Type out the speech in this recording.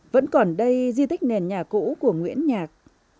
vẫn còn đây di tích nền nhà cũ của nguyễn nhạc